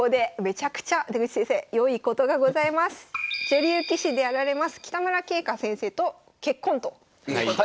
女流棋士であられます北村桂香先生と結婚ということで。